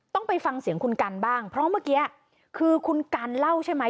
ต้องไปฟังเสียงคุณกันบ้างเพราะเมื่อกี้คือคุณกันเล่าใช่ไหม